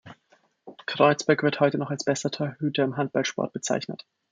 Kreutzberg wird heute noch als bester Torhüter im Handballsport bezeichnet.